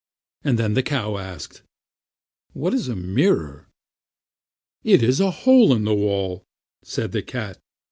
Then the cow asked: "What is a mirror?" "It is a hole in the wall," said the cat.